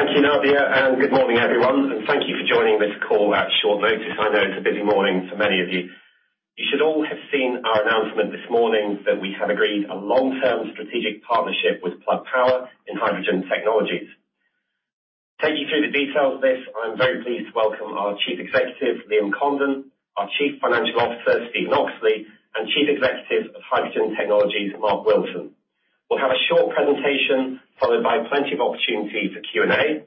Thank you, Nadia, good morning, everyone. Thank you for joining this call at short notice. I know it's a busy morning for many of you. You should all have seen our announcement this morning that we have agreed a long-term strategic partnership with Plug Power in hydrogen technologies. Take you through the details of this, I'm very pleased to welcome our Chief Executive, Liam Condon, our Chief Financial Officer, Stephen Oxley, and Chief Executive of Hydrogen Technologies, Mark Wilson. We'll have a short presentation followed by plenty of opportunity for Q&A.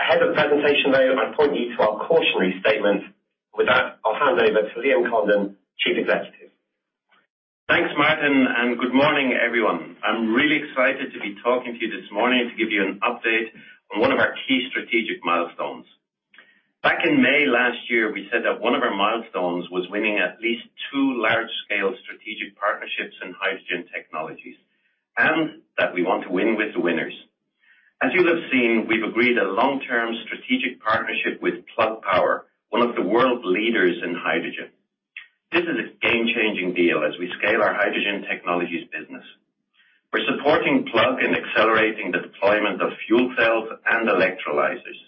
Ahead of the presentation, though, I point you to our cautionary statement. With that, I'll hand over to Liam Condon, Chief Executive. Thanks, Martin, and good morning, everyone. I'm really excited to be talking to you this morning to give you an update on one of our key strategic milestones. Back in May last year, we said that one of our milestones was winning at least two large-scale strategic partnerships in hydrogen technologies, and that we want to win with the winners. As you have seen, we've agreed a long-term strategic partnership with Plug Power, one of the world leaders in hydrogen. This is a game-changing deal as we scale our hydrogen technologies business. We're supporting Plug in accelerating the deployment of fuel cells and electrolyzers.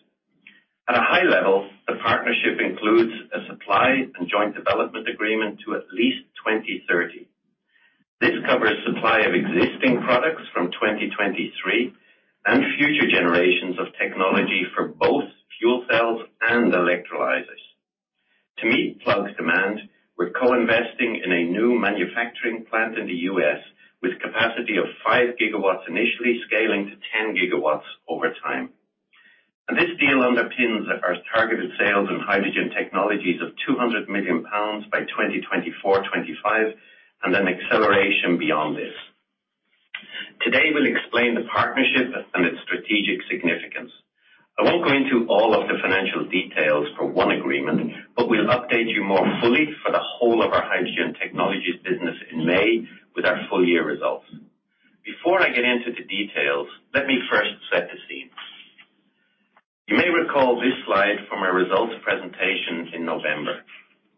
At a high level, the partnership includes a supply and joint development agreement to at least 2030. This covers supply of existing products from 2023 and future generations of technology for both fuel cells and electrolyzers. To meet Plug's demand, we're co-investing in a new manufacturing plant in the U.S. with capacity of 5 GW initially scaling to 10 GW over time. This deal underpins our targeted sales in Hydrogen Technologies of 200 million pounds by 2024-2025, and an acceleration beyond this. Today, we'll explain the partnership and its strategic significance. I won't go into all of the financial details for one agreement, but we'll update you more fully for the whole of our Hydrogen Technologies business in May with our full-year results. Before I get into the details, let me first set the scene. You may recall this slide from our results presentation in November,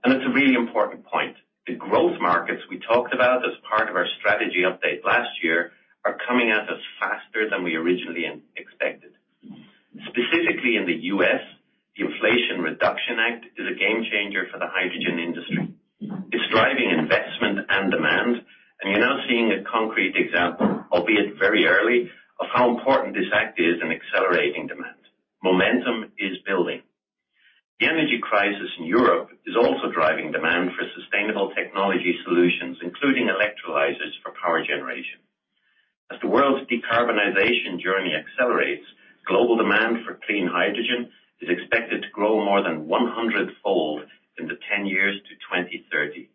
and it's a really important point. The growth markets we talked about as part of our strategy update last year are coming at us faster than we originally expected. Specifically in the U.S., the Inflation Reduction Act is a game-changer for the hydrogen industry. It's driving investment and demand, and you're now seeing a concrete example, albeit very early, of how important this act is in accelerating demand. Momentum is building. The energy crisis in Europe is also driving demand for sustainable technology solutions, including electrolyzers for power generation. As the world's decarbonization journey accelerates, global demand for clean hydrogen is expected to grow more than 100-fold in the 10 years to 2030.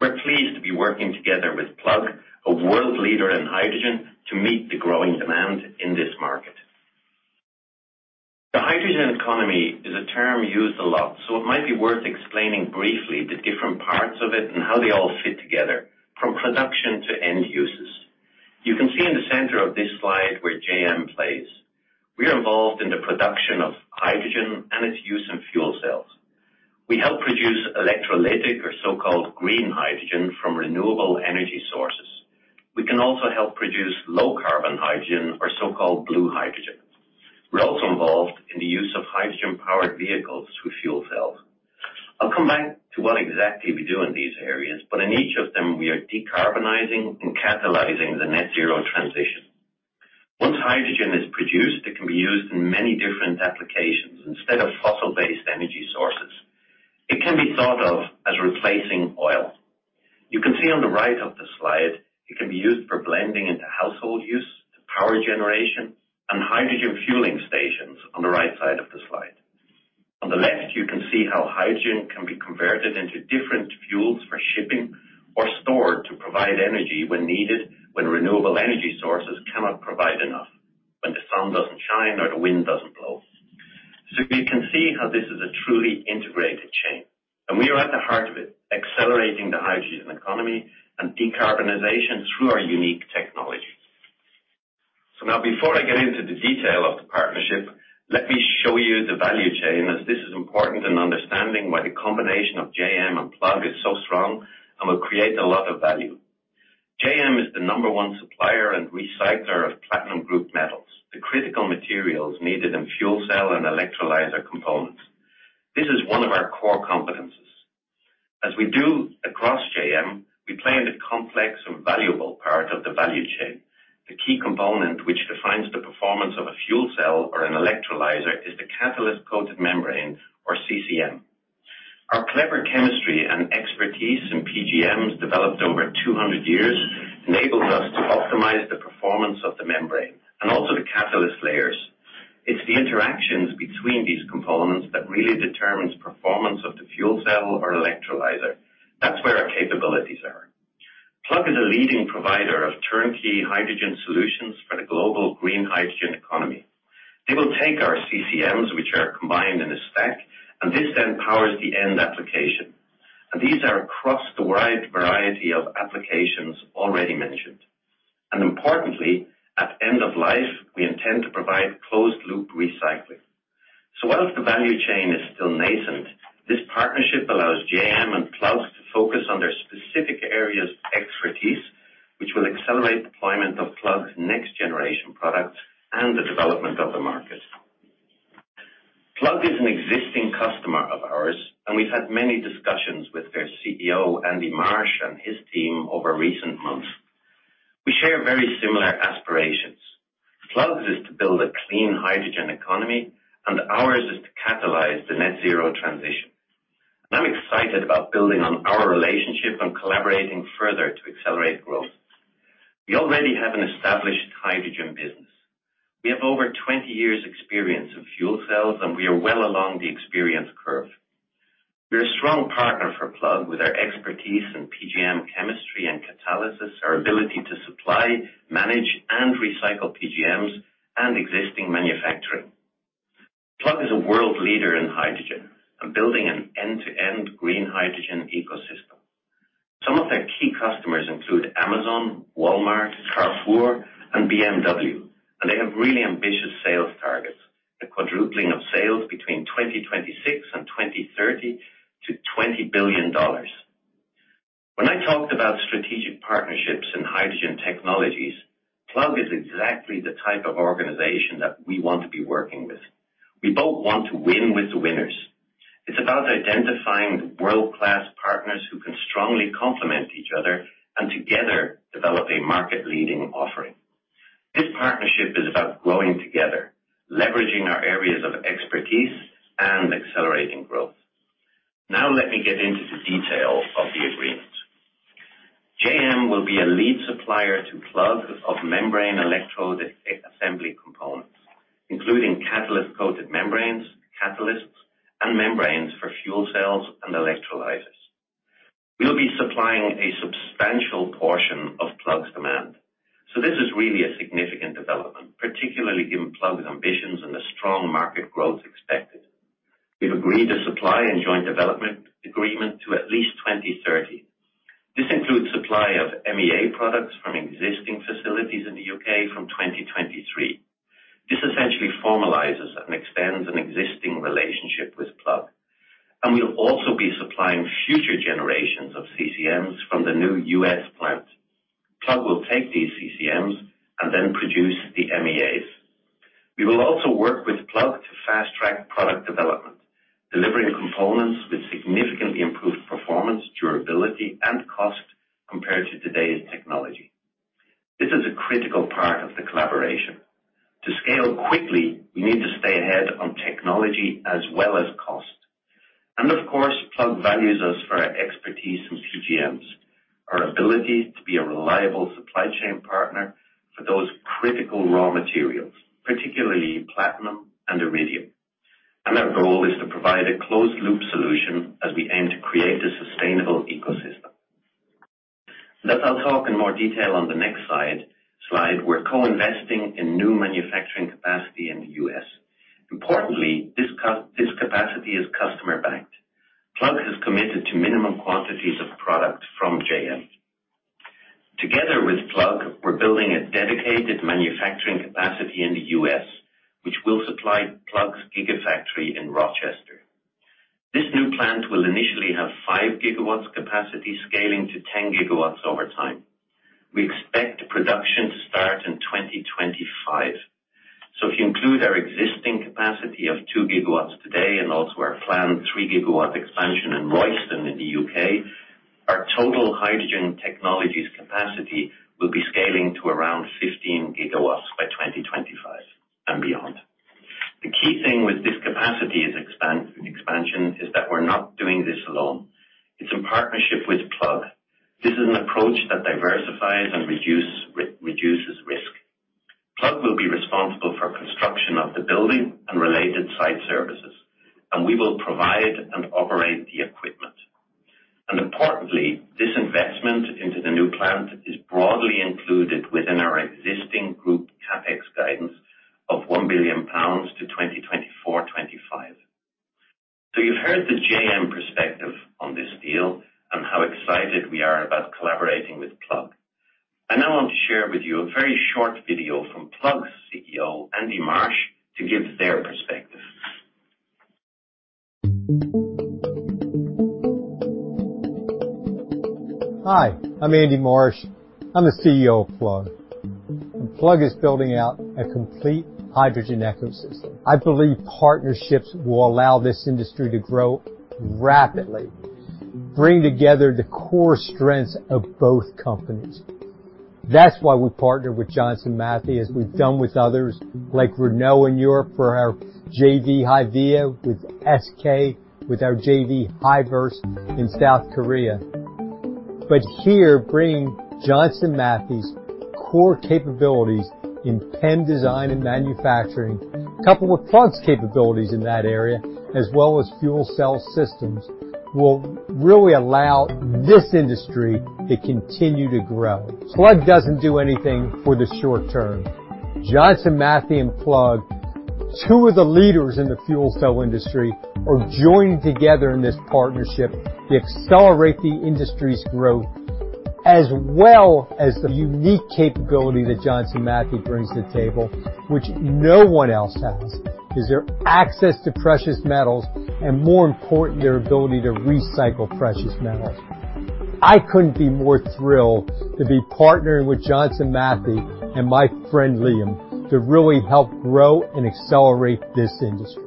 We're pleased to be working together with Plug, a world leader in hydrogen, to meet the growing demand in this market. The hydrogen economy is a term used a lot, so it might be worth explaining briefly the different parts of it and how they all fit together from production to end uses. You can see in the center of this slide where JM plays. We are involved in the production of hydrogen and its use in fuel cells. We help produce electrolytic or so-called green hydrogen from renewable energy sources. We can also help produce low-carbon hydrogen or so-called blue hydrogen. We're also involved in the use of hydrogen powered vehicles with fuel cells. I'll come back to what exactly we do in these areas, but in each of them, we are decarbonizing and catalyzing the net zero transition. Once hydrogen is produced, it can be used in many different applications instead of fossil based energy sources. It can be thought of as replacing oil. You can see on the right of the slide, it can be used for blending into household use, to power generation, and hydrogen fueling stations on the right side of the slide. On the left, you can see how hydrogen can be converted into different fuels for shipping or stored to provide energy when needed, when renewable energy sources cannot provide enough, when the sun doesn't shine or the wind doesn't blow. You can see how this is a truly integrated chain, and we are at the heart of it, accelerating the hydrogen economy and decarbonization through our unique technology. Now before I get into the detail of the partnership, let me show you the value chain, as this is important in understanding why the combination of JM and Plug is so strong and will create a lot of value. JM is the number one supplier and recycler of platinum group metals, the critical materials needed in fuel cell and electrolyzer components. This is one of our core competencies. As we do across JM, we play in the complex and valuable part of the value chain. The key component which defines the performance of a fuel cell or an electrolyzer is the catalyst-coated membrane or CCM. Our clever chemistry and expertise in PGMs, developed over 200 years, enables us to optimize the performance of the membrane and also the catalyst layers. It's the interactions between these components that really determines performance of the fuel cell or electrolyzer. That's where our capabilities are. Plug is a leading provider of turnkey hydrogen solutions for the global green hydrogen economy. They will take our CCMs, which are combined in a stack, and this then powers the end application. These are across the wide variety of applications already mentioned. Importantly, at end of life, we intend to provide closed-loop recycling. Whilst the value chain is still nascent. Partnership allows JM and Plug to focus on their specific areas of expertise, which will accelerate deployment of Plug's next generation products and the development of the market. Plug is an existing customer of ours, and we've had many discussions with their CEO, Andy Marsh, and his team over recent months. We share very similar aspirations. Plug is to build a clean hydrogen economy and ours is to catalyze the net zero transition. I'm excited about building on our relationship and collaborating further to accelerate growth. We already have an established hydrogen business. We have over 20 years experience in fuel cells, and we are well along the experience curve. We're a strong partner for Plug with our expertise in PGM chemistry and catalysis, our ability to supply, manage, and recycle PGMs and existing manufacturing. Plug is a world leader in hydrogen and building an end-to-end green hydrogen ecosystem. Some of their key customers include Amazon, Walmart, Carrefour, and BMW. They have really ambitious sales targets, the quadrupling of sales between 2026 and 2030 to $20 billion. When I talked about strategic partnerships in hydrogen technologies, Plug is exactly the type of organization that we want to be working with. We both want to win with the winners. It's about identifying world-class partners who can strongly complement each other and together develop a market-leading offering. This partnership is about growing together, leveraging our areas of expertise and accelerating growth. Let me get into the detail of the agreement. JM will be a lead supplier to Plug of membrane electrode assembly components, including catalyst-coated membranes, catalysts, and membranes for fuel cells and electrolyzers. We'll be supplying a substantial portion of Plug's demand. This is really a significant development, particularly given Plug's ambitions and the strong market growth expected. We've agreed a supply and joint development agreement to at least 2030. This includes supply of MEA products from existing facilities in the U.K. from 2023. This essentially formalizes and extends an existing relationship with Plug. We'll also be supplying future generations of CCMs from the new U.S. plant. Plug will take these CCMs and then produce the MEAs. We will also work with Plug to fast-track product development, delivering components with significantly improved performance, durability, and cost compared to today's technology. This is a critical part of the collaboration. To scale quickly, we need to stay ahead on technology as well as cost. Of course, Plug values us for our expertise in PGMs, our ability to be a reliable supply chain partner for those critical raw materials, particularly platinum and iridium. Our goal is to provide a closed-loop solution as we aim to create a sustainable ecosystem. As I'll talk in more detail on the next slide, we're co-investing in new manufacturing capacity in the U.S. Importantly, this capacity is customer-backed. Plug has committed to minimum quantities of product from JM. Together with Plug, we're building a dedicated manufacturing capacity in the U.S., which will supply Plug's gigafactory in Rochester. This new plant will initially have 5 GW capacity scaling to 10 GW over time. We expect production to start in 2025. If you include our existing capacity of 2 GW today and also our planned 3 GW expansion in Royston in the U.K., our total hydrogen technologies capacity will be scaling to around 15 GW by 2025 and beyond. The key thing with this capacity expansion is that we're not doing this alone. It's in partnership with Plug. This is an approach that diversifies and reduces risk. Plug will be responsible for construction of the building and related site services, and we will provide and operate the equipment. Importantly, this investment into the new plant is broadly included within our existing group CapEx guidance of 1 billion pounds to 2024, 2025. You've heard the JM perspective on this deal and how excited we are about collaborating with Plug. I now want to share with you a very short video from Plug's CEO, Andy Marsh, to give their perspective. Hi, I'm Andy Marsh. I'm the CEO of Plug. Plug is building out a complete hydrogen ecosystem. I believe partnerships will allow this industry to grow rapidly, bring together the core strengths of both companies. That's why we partner with Johnson Matthey, as we've done with others like Renault in Europe for our JV HYVIA, with SK, with our JV Hyverse in South Korea. Here, bringing Johnson Matthey's core capabilities in PEM design and manufacturing, coupled with Plug's capabilities in that area, as well as fuel cell systems, will really allow this industry to continue to grow. Plug doesn't do anything for the short term. Johnson Matthey and Plug, two of the leaders in the fuel cell industry, are joining together in this partnership to accelerate the industry's growth. As well as the unique capability that Johnson Matthey brings to the table, which no one else has, is their access to precious metals, and more important, their ability to recycle precious metals. I couldn't be more thrilled to be partnering with Johnson Matthey and my friend, Liam, to really help grow and accelerate this industry.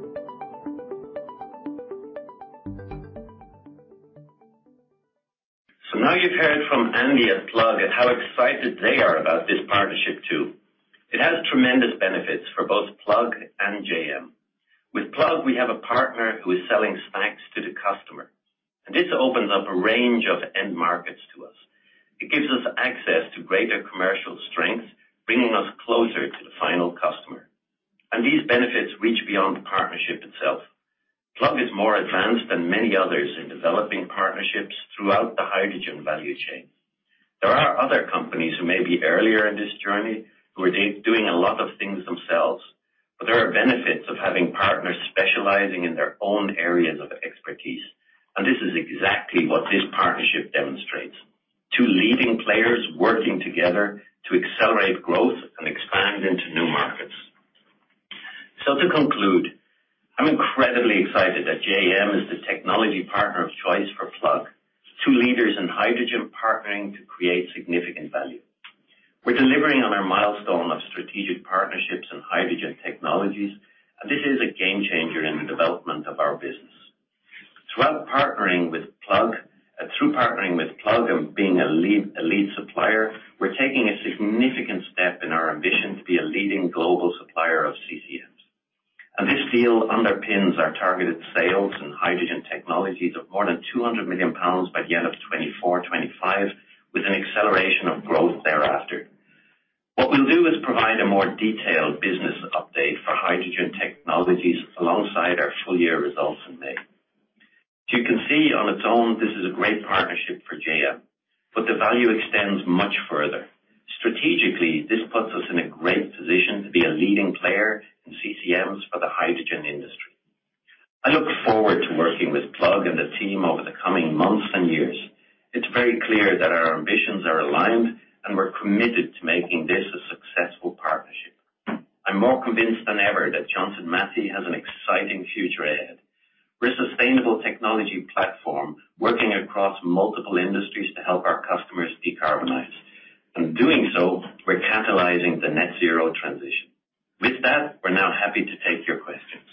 Now you've heard from Andy at Plug and how excited they are about this partnership too. It has tremendous benefits for both Plug and JM. With Plug, we have a partner who is selling stacks to the customer. This opens up a range of end markets to us. It gives us access to greater commercial strength, bringing us closer to the final customer. These benefits reach beyond the partnership itself. Plug is more advanced than many others in developing partnerships throughout the hydrogen value chain. There are other companies who may be earlier in this journey who are doing a lot of things themselves, but there are benefits of having partners specializing in their own areas of expertise. This is exactly what this partnership demonstrates. Two leading players working together to accelerate growth and expand into new markets. To conclude, I'm incredibly excited that JM is the technology partner of choice for Plug. Two leaders in hydrogen partnering to create significant value. We're delivering on our milestone of strategic partnerships in hydrogen technologies, and this is a game changer in the development of our business. Through partnering with Plug and being a lead supplier, we're taking a significant step in our ambition to be a leading global supplier of CCMs. This deal underpins our targeted sales and hydrogen technologies of more than 200 million pounds by the end of 2024, 2025, with an acceleration of growth thereafter. What we'll do is provide a more detailed business update for hydrogen technologies alongside our full year results in May. You can see on its own, this is a great partnership for JM, but the value extends much further. Strategically, this puts us in a great position to be a leading player in CCMs for the hydrogen industry. I look forward to working with Plug and the team over the coming months and years. It's very clear that our ambitions are aligned, and we're committed to making this a successful partnership. I'm more convinced than ever that Johnson Matthey has an exciting future ahead. We're a sustainable technology platform working across multiple industries to help our customers decarbonize. Doing so, we're catalyzing the net zero transition. With that, we're now happy to take your questions.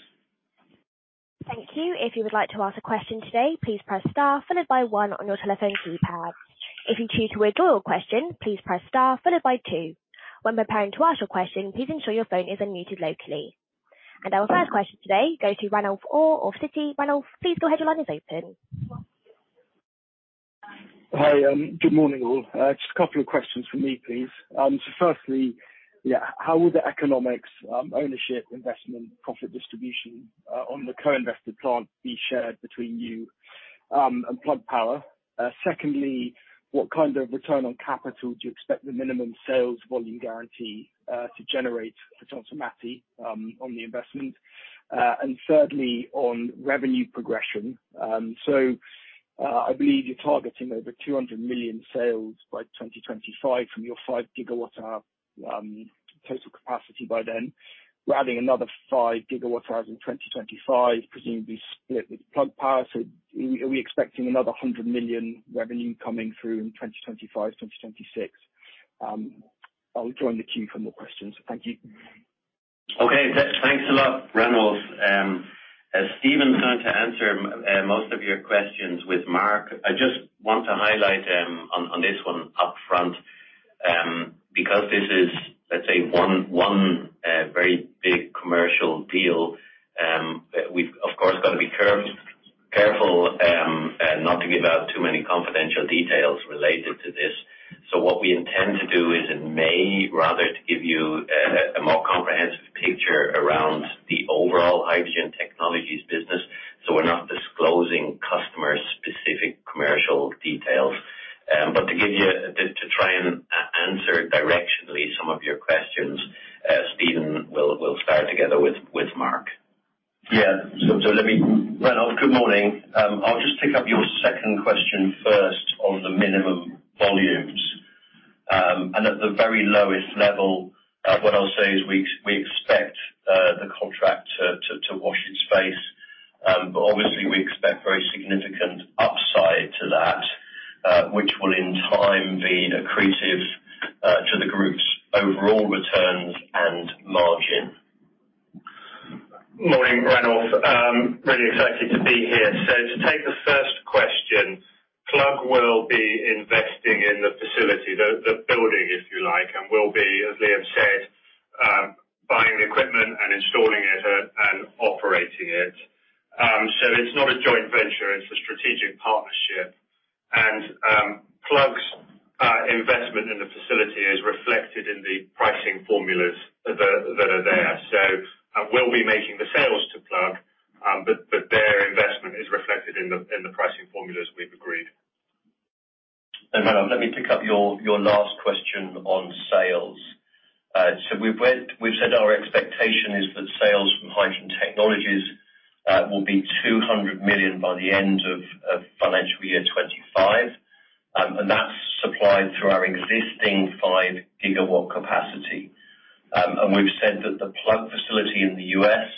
Thank you. If you would like to ask a question today, please press star followed by one on your telephone keypad. If you choose to withdraw your question, please press star followed by two. When preparing to ask your question, please ensure your phone is unmuted locally. Our first question today goes to Ranulf Orr of Citi. Ranulf, please go ahead. Your line is open. Hi, good morning, all. Just a couple of questions from me, please. Firstly, how will the economics, ownership, investment, profit distribution, on the co-invested plant be shared between you and Plug Power? Secondly, what kind of return on capital do you expect the minimum sales volume guarantee to generate for Johnson Matthey on the investment? Thirdly, on revenue progression, I believe you're targeting over 200 million sales by 2025 from your 5 GW total capacity by then. We're adding another 5 GW in 2025, presumably split with Plug Power. Are we expecting another 100 million revenue coming through in 2025, 2026? I'll join the queue for more questions. Thank you. Okay. Thanks a lot, Ranulf. As Stephen's going to answer most of your questions with Mark, I just want to highlight on this one up front, because this is, let's say, one very big commercial deal, we've of course, got to be careful not to give out too many confidential details related to this. What we intend to do is in May, rather, to give you a more comprehensive picture around the overall hydrogen technologies business. We're not disclosing customer-specific commercial details. To try and answer directionally some of your questions, Stephen will start together with Mark. Let me, Ranulf, good morning. I'll just pick up your second question first on the minimum volumes. At the very lowest level, what I'll say is we expect the contract to wash its face. Obviously we expect very significant upside to that, which will in time be accretive to the group's overall returns and margin. Morning, Ranulf. Really excited to be here. To take the first question, Plug will be investing in the facility, the building, if you like. Will be, as Liam said, buying equipment and installing it and operating it. It's not a joint venture, it's a strategic partnership. Plug's investment in the facility is reflected in the pricing formulas that are there. We'll be making the sales to Plug, but their investment is reflected in the pricing formulas we've agreed. Ranulf, let me pick up your last question on sales. We've said our expectation Technologies will be 200 million by the end of financial year 2025. That's supplied through our existing 5 GW capacity. We've said that the Plug facility in the U.S.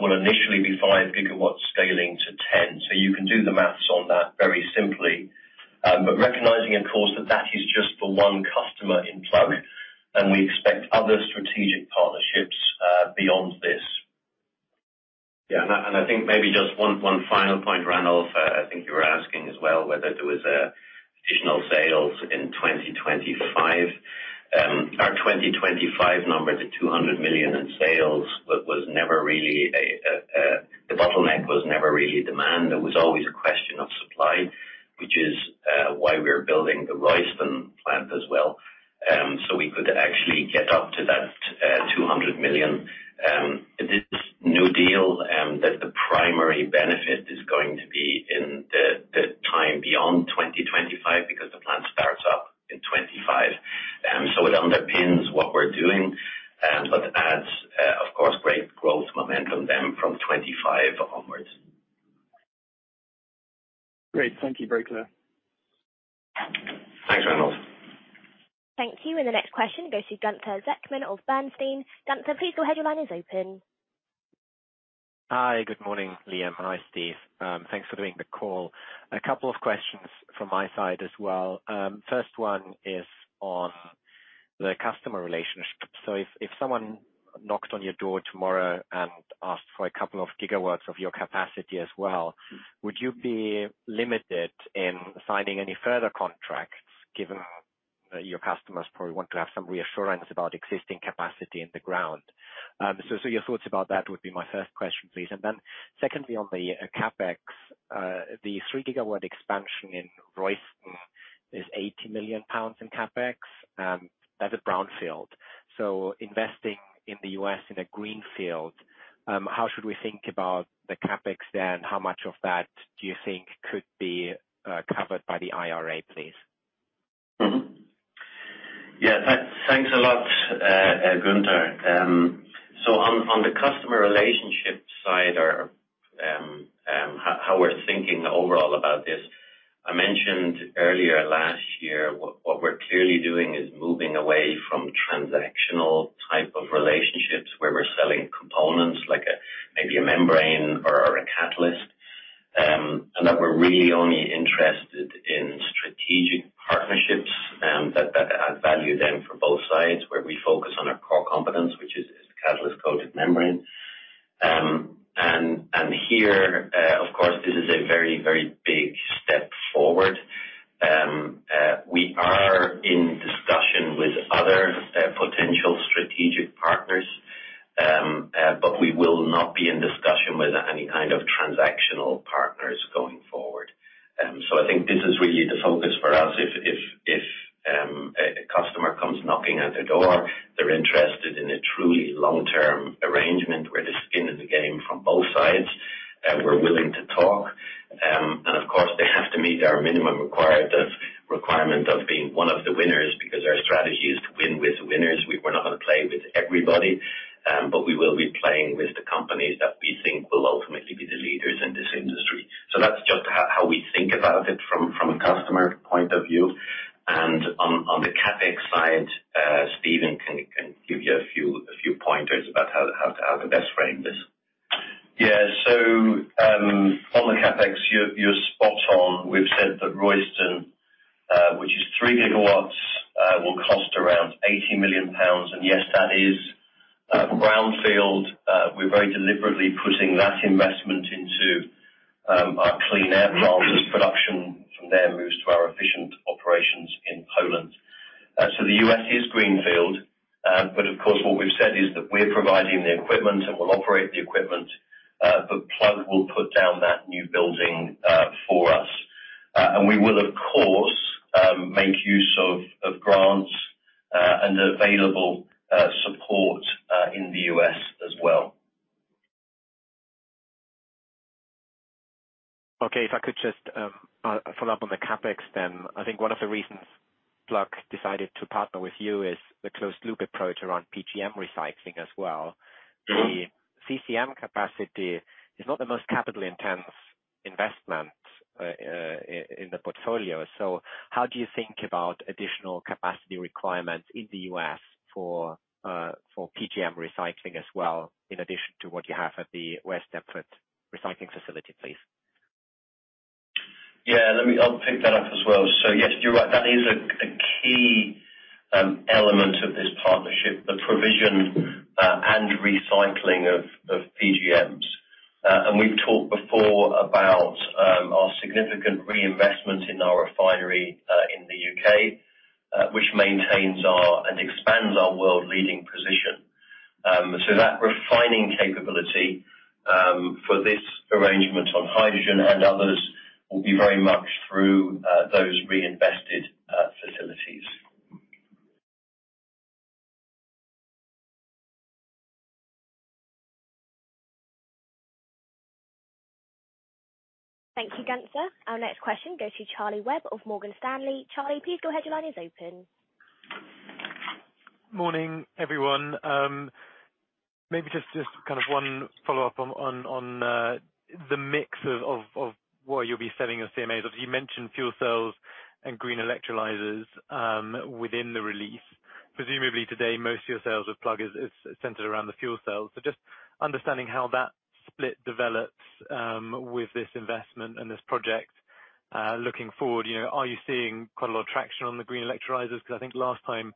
will initially be 5 GW scaling to 10. You can do the maths on that very simply. Recognizing of course, that that is just for one customer in Plug, and we expect other strategic partnerships beyond this. Yeah. I think maybe just one final point, Randolph. I think you were asking as well, whether there was additional sales in 2025. Our 2025 numbers at 200 million in sales was never really. The bottleneck was never really demand. It was always a question of supply, which is why we're building the Royston plant as well, so we could actually get up to that 200 million. This new deal, the primary benefit is going to be in the time beyond 2025 because the plant starts up in 25. It underpins what we're doing, adds, of course, great growth momentum from 25 onwards. Great. Thank you. Very clear. Thanks, Ranulf. Thank you. The next question goes to Gunther Zechmann of Bernstein. Gunther, please go ahead. Your line is open. Hi. Good morning, Liam. Hi, Steve. Thanks for doing the call. A couple of questions from my side as well. First one is on the customer relationship. If someone knocked on your door tomorrow and asked for a couple of gigawatts of your capacity as well, would you be limited in signing any further contracts given that your customers probably want to have some reassurance about existing capacity in the ground? Your thoughts about that would be my first question, please. Secondly, on the CapEx, the 3 GW expansion in Royston is 80 million pounds in CapEx, as a brownfield. Investing in the U.S. in a greenfield, how should we think about the CapEx then? How much of that do you think could be covered by the IRA, please? Mm-hmm. Yeah. Thanks a lot, Gunther. On the customer relationship side or, how we're thinking overall about this, I mentioned earlier last year what we're clearly doing is moving away from transactional type of relationships where we're selling components like a, maybe a membrane or a catalyst. That we're really only interested in strategic partnerships, that add value then for both sides, where we focus on our core competence, which is the catalyst-coated membrane. Here, of course, this is a big step forward. We are in discussion with other potential strategic partners, but we will not be in discussion with any kind of transactional partners going forward. I think this is really the focus for us. If a customer comes knocking at the door, they're interested in a truly long-term arrangement where there's skin in the game from both sides, we're willing to talk. Of course, they have to meet our minimum requirement of being one of the winners because our strategy is to win with winners. We're not gonna play with everybody, but we will be playing with the companies that we think will ultimately be the leaders in this industry. That's just how we think about it from a customer point of view. On the CapEx side, Stephen can give you a few pointers about how to best frame this. Yeah. On the CapEx, you're spot on. We've said that Royston, which is 3 GW, will cost around 80 million pounds. Yes, that is brownfield. We're very deliberately putting that investment into our clean air plant as production from there moves to our efficient operations in Poland. The U.S. is greenfield. Of course, what we've said is that we're providing the equipment and we'll operate the equipment, but Plug will put down that new building for us. And we will, of course, make use of grants and available support in the U.S. as well. If I could just follow up on the CapEx? I think one of the reasons Plug decided to partner with you is the closed-loop approach around PGM recycling as well. Mm-hmm. The CCM capacity is not the most capital intense investment in the portfolio. How do you think about additional capacity requirements in the U.S. for PGM recycling as well, in addition to what you have at the West Deptford recycling facility, please? I'll pick that up as well. Yes, you're right. That is a key element of this partnership, the provision and recycling of PGMs. We've talked before about our significant reinvestment in our refinery in the UK, which maintains and expands our world-leading position. That refining capability for this arrangement on hydrogen and others will be very much through those reinvested facilities. Thank you, Gunther. Our next question goes to Charlie Webb of Morgan Stanley. Charlie, please go ahead. Your line is open. Morning, everyone. Maybe just kind of one follow-up on the mix of what you'll be selling in CCMs. You mentioned fuel cells and green electrolyzers within the release. Presumably today, most of your sales with Plug is centered around the fuel cells. Just understanding how that split develops with this investment and this project. Looking forward, you know, are you seeing quite a lot of traction on the green electrolyzers? I think last time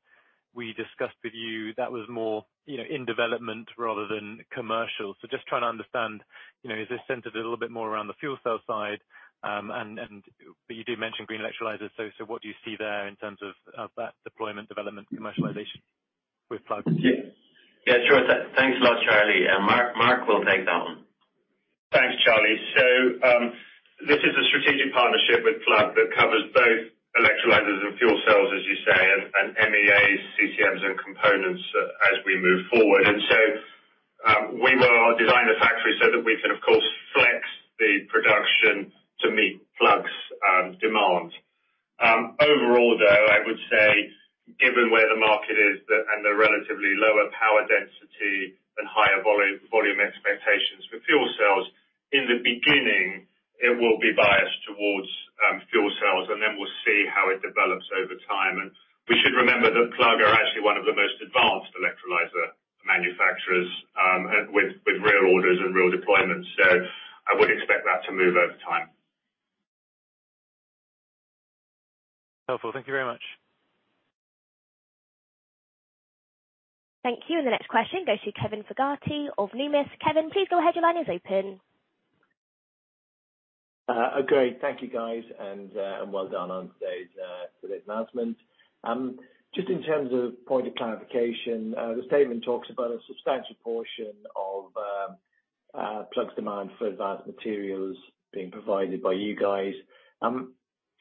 we discussed with you that was more, you know, in development rather than commercial. Just trying to understand, you know, is this centered a little bit more around the fuel cell side, but you did mention green electrolyzers. What do you see there in terms of that deployment development commercialization with Plug? Yeah. Sure. Thanks a lot, Charlie. Mark will take that one. Thanks, Charlie. This is a strategic partnership with Plug that covers both electrolyzers and fuel cells, as you say, and MEAs, CCMs and components as we move forward. We will design the factory so that we can, of course, flex the production to meet Plug's demand. Overall, though, I would say given where the market is that and the relatively lower power density and higher volume expectations for fuel cells, in the beginning it will be biased towards fuel cells, and then we'll see how it develops over time. We should remember that Plug are actually one of the most advanced electrolyzer manufacturers, with real orders and real deployments. I would expect that to move over time. Helpful. Thank you very much. Thank you. The next question goes to Kevin Fogarty of Numis. Kevin, please go ahead. Your line is open. Great. Thank you guys and well done on today's announcement. Just in terms of point of clarification, the statement talks about a substantial portion of Plug's demand for advanced materials being provided by you guys.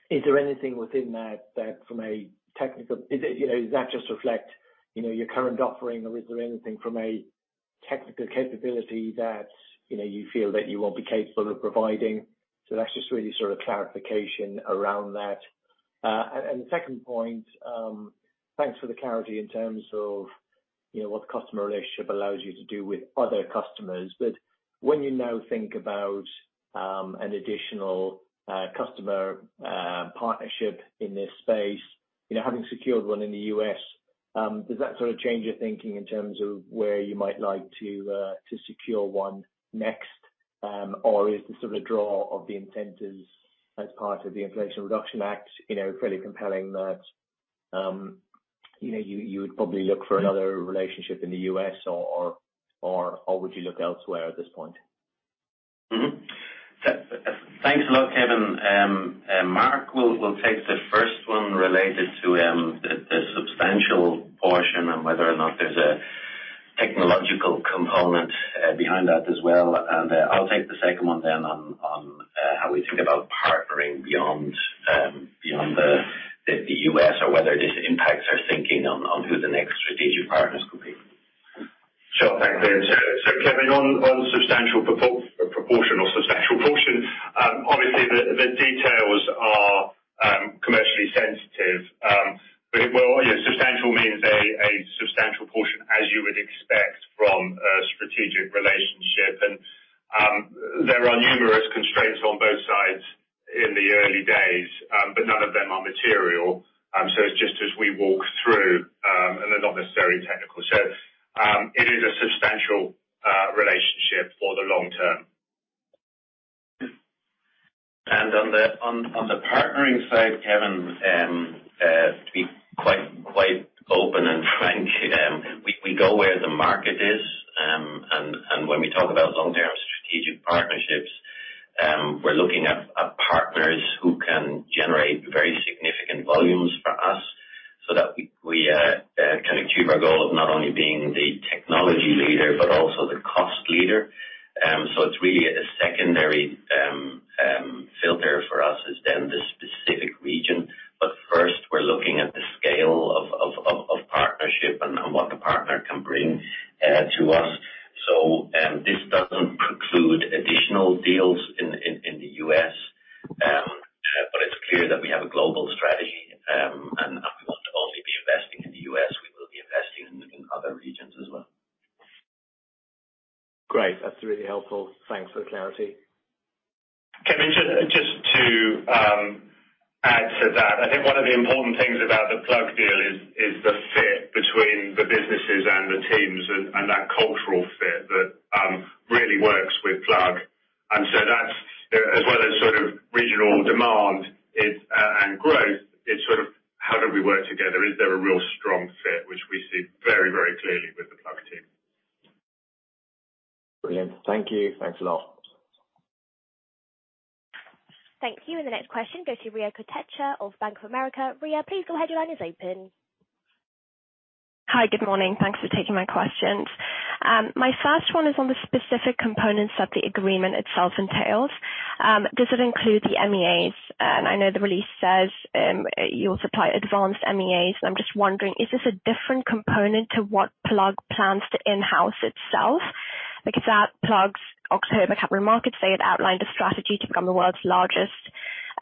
Is there anything within that that from a technical, you know, does that just reflect, you know, your current offering, or is there anything from a technical capability that, you know, you feel that you won't be capable of providing? That's just really sort of clarification around that. The second point, thanks for the clarity in terms of, you know, what the customer relationship allows you to do with other customers. When you now think about an additional customer partnership in this space, you know, having secured one in the U.S., does that sort of change your thinking in terms of where you might like to secure one next? Is the sort of draw of the incentives as part of the Inflation Reduction Act, you know, fairly compelling that, you know, you would probably look for another relationship in the U.S. or would you look elsewhere at this point? Thanks a lot, Kevin. Mark will take the first one related to the substantial portion and whether or not there's a technological component behind that as well. I'll take the second one then on how we think about partnering beyond beyond the U.S. or whether this impacts our thinking on who the next strategic partners could be. Sure. Thanks. Kevin on substantial proportion or substantial portion, obviously the details are commercially sensitive. Well, yeah, substantial means a substantial portion as you would expect from a strategic relationship. There are numerous constraints on both sides in the early days, but none of them are material. It's just as we walk through, and they're not necessarily technical. It is a substantial relationship for the long term. On the partnering side, Kevin, to be quite open and frank, we go where the market is. When we talk about long-term strategic partnerships, we're looking at partners who can generate very significant volumes for us so that we can achieve our goal of not only being the technology leader but also the cost leader. It's really a secondary filter for us is then the specific region. First we're looking at the scale of partnership and what the partner can bring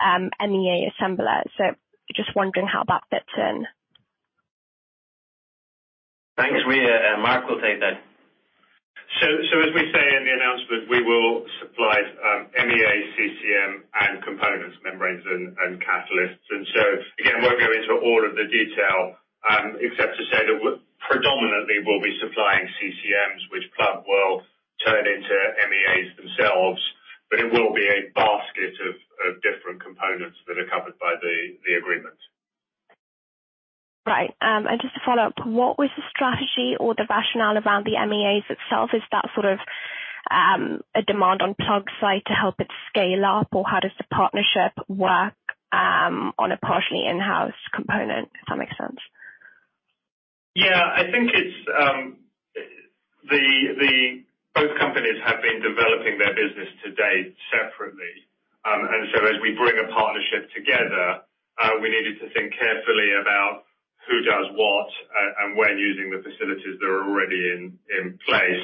MEA assembler. Just wondering how that fits in. Thanks, Riya. Mark will take that. As we say in the announcement, we will supply MEA, CCM and components, membranes and catalysts. Again, won't go into all of the detail, except to say that predominantly, we'll be supplying CCMs, which Plug will turn into MEAs themselves, but it will be a basket of different components that are covered by the agreement. Right. Just to follow up, what was the strategy or the rationale around the MEAs itself? Is that sort of, a demand on Plug's side to help it scale up, or how does the partnership work, on a partially in-house component, if that makes sense? Yeah. I think it's. Both companies have been developing their business to date separately. As we bring a partnership together, we needed to think carefully about who does what and when using the facilities that are already in place.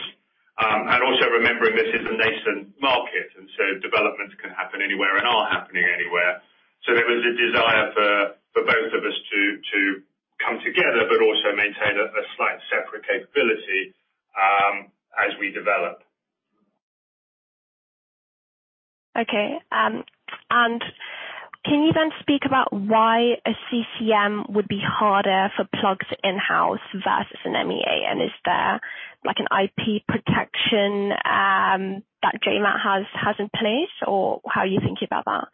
Also remembering this is a nascent market, and so developments can happen anywhere and are happening anywhere. There was a desire for both of us to come together, but also maintain a slight separate capability, as we develop. Okay. Can you then speak about why a CCM would be harder for Plug's in-house versus an MEA, and is there like an IP protection, that JM has in place, or how are you thinking about that?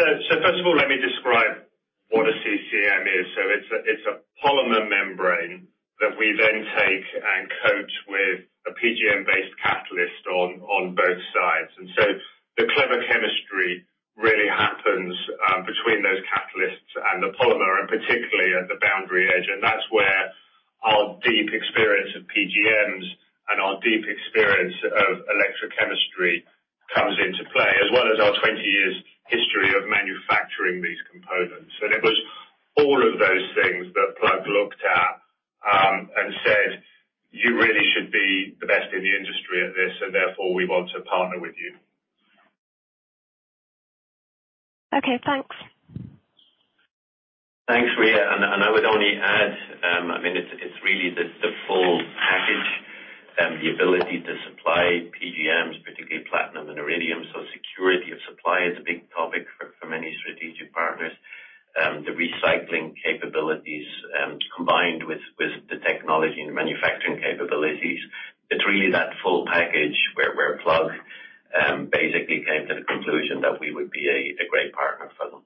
First of all, let me describe what a CCM is. It's a polymer membrane that we then take and coat with a PGM-based catalyst on both sides. The clever chemistry really happens between those catalysts and the polymer, and particularly at the boundary edge. That's where our deep experience of PGMs and our deep experience of electrochemistry comes into play, as well as our 20 years history of manufacturing these components. It was all of those things that Plug looked at and said, "You really should be the best in the industry at this, and therefore we want to partner with you. Okay, thanks. Thanks, Riya. I would only add, I mean, it's really the full package, the ability to supply PGMs, particularly platinum and iridium. Security of supply is a big topic for many strategic partners. The recycling capabilities, combined with the technology and the manufacturing capabilities. It's really that full package where Plug basically came to the conclusion that we would be a great partner for them.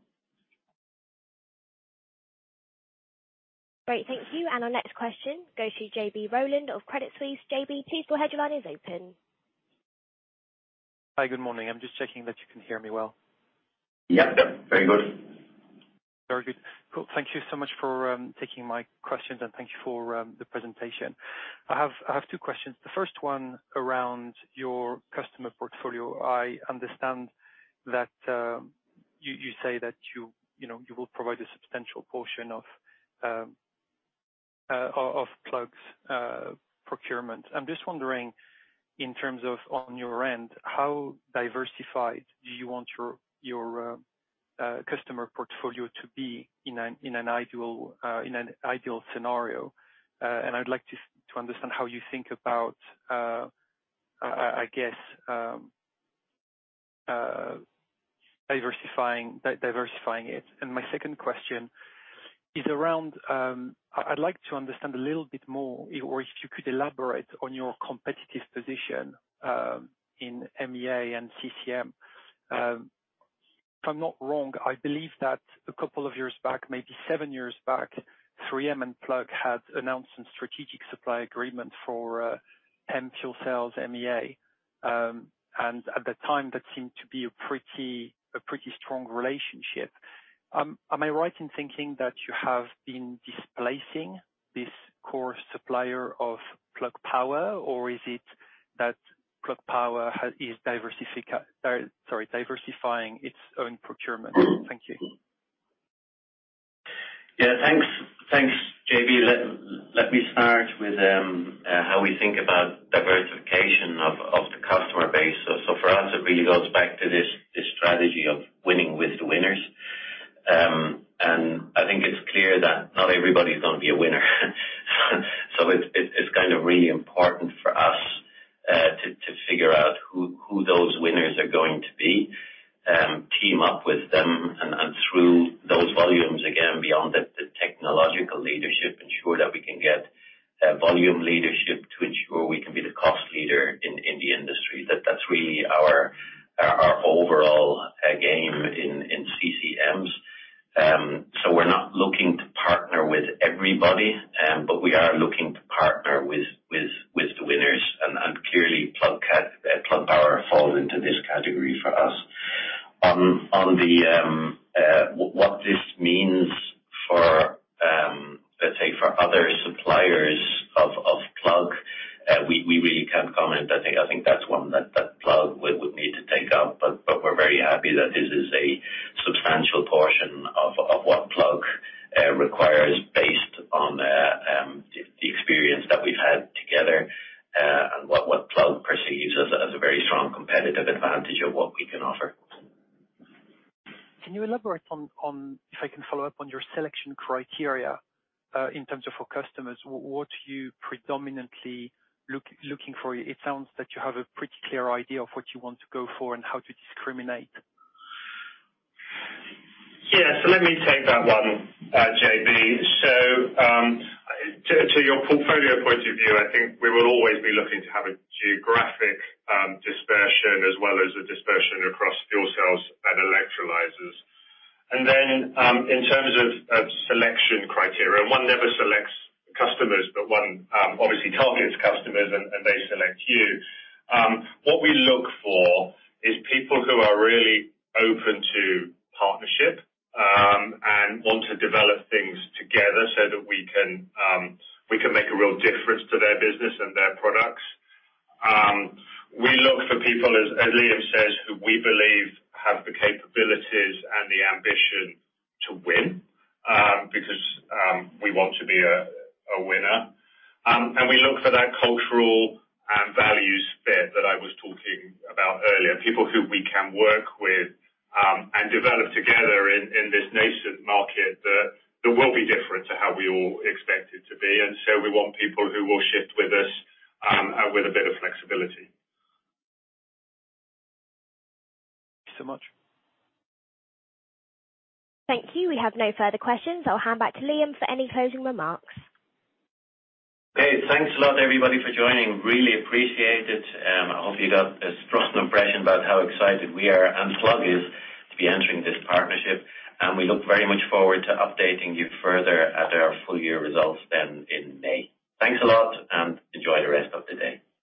Great. Thank you. Our next question goes to Jean-Baptiste Rolland of Credit Suisse. JB, please your headline is open. Hi. Good morning. I'm just checking that you can hear me well. Yep. Yep. Very good. Very good. Cool. Thank you so much for taking my questions, and thank you for the presentation. I have two questions. The first one around your customer portfolio. I understand that you say that you know, you will provide a substantial portion of Plug's procurement. I'm just wondering, in terms of on your end, how diversified do you want your customer portfolio to be in an ideal scenario? And I'd like to understand how you think about I guess, diversifying it. And my second question is around I'd like to understand a little bit more or if you could elaborate on your competitive position in MEA and CCM. If I'm not wrong, I believe that a couple of years back, maybe seven years back, 3M and Plug had announced some strategic supply agreement for M fuel cells MEA. At the time, that seemed to be a pretty strong relationship. Am I right in thinking that you have been displacing this core supplier of Plug Power, or is it that Plug Power is diversifying its own procurement? Thank you. Thanks. Thanks, JB. Let me start with how we think about diversification of the customer base. For us, it really goes back to this strategy of winning with the winners. I think it's clear that not everybody's gonna be a winner. It's kind of really important for us to figure out who those winners are going to be, team up with them and through those volumes, again, beyond the technological leadership, ensure that we can get volume leadership to ensure we can be the cost leader in the industry. That's really our overall game in CCMs. We're not looking to partner with everybody, but we are looking to partner with the winners and clearly Plug Power falls into this category for us. On the, what this means for, let's say for other suppliers of Plug, we really can't comment. I think that's one that To take up, but we're very happy that this is a substantial portion of what Plug requires based on the experience that we've had together and what Plug perceives as a very strong competitive advantage of what we can offer. Can you elaborate on, if I can follow up on your selection criteria, in terms of for customers, what are you predominantly looking for? It sounds that you have a pretty clear idea of what you want to go for and how to discriminate. Let me take that one, JB. To your portfolio point of view, I think we will always be looking to have a geographic dispersion as well as a dispersion across fuel cells and electrolyzers. In terms of selection criteria, one never selects customers, but one obviously targets customers and they select you. What we look for is people who are really open to partnership and want to develop things together so that we can make a real difference to their business and their products. We look for people, as Liam says, who we believe have the capabilities and the ambition to win because we want to be a winner. We look for that cultural and values fit that I was talking about earlier. People who we can work with, and develop together in this nascent market that will be different to how we all expect it to be. We want people who will shift with us, with a bit of flexibility. Thank you so much. Thank you. We have no further questions. I'll hand back to Liam for any closing remarks. Okay. Thanks a lot, everybody, for joining, really appreciate it. I hope you got a strong impression about how excited we are and Plug is to be entering this partnership, and we look very much forward to updating you further at our full year results then in May. Thanks a lot, and enjoy the rest of the day.